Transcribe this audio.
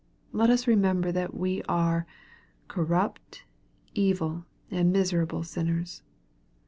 Let ra remember what we are, corrupt, evil, and miserable sin ners.